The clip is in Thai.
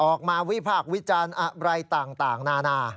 วิพากษ์วิจารณ์อะไรต่างนานา